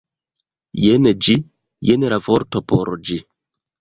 Jen ĝi, jen la vorto por ĝi